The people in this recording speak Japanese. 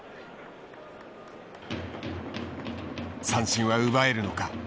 三振は奪えるのか。